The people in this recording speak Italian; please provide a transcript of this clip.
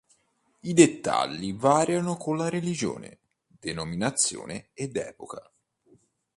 I dettagli variano con la religione, denominazione ed epoca.